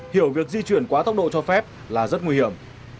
hiểu việc di chuyển quá tốc độ cho phép là rất nguy hiểm